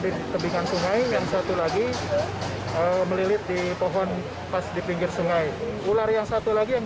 di tebingan sungai yang satu lagi melilit di pohon pas di pinggir sungai ular yang satu lagi yang